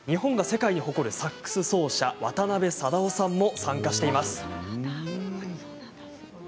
日本が世界に誇るサックス奏者渡辺貞夫さんも参加しています。